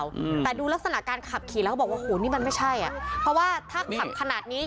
อืมแต่ดูลักษณะการขับขี่แล้วก็บอกว่าโหนี่มันไม่ใช่อ่ะเพราะว่าถ้าขับขนาดนี้